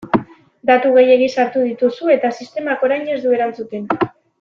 Datu gehiegi sartu dituzu eta sistemak orain ez du erantzuten.